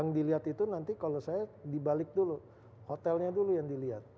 yang dilihat itu nanti kalau saya dibalik dulu hotelnya dulu yang dilihat